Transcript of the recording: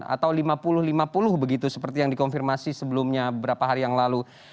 atau lima puluh lima puluh begitu seperti yang dikonfirmasi sebelumnya beberapa hari yang lalu